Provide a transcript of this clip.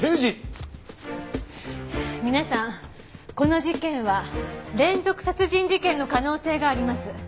皆さんこの事件は連続殺人事件の可能性があります。